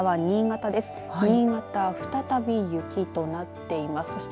新潟、再び雪となっています。